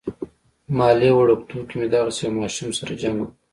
مالې وړوکتوب کې مې دغسې يو ماشوم سره جنګ وکه.